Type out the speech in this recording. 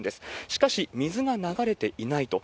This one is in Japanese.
しかし、水が流れていないと。